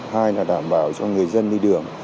hai là đảm bảo cho người dân đi đường